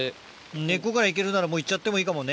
根っこから行けるならもう行っちゃってもいいかもね。